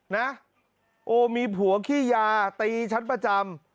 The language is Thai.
โอมีผัวขี้ยาตีฉันประจำ